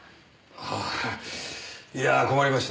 あいや困りましたね。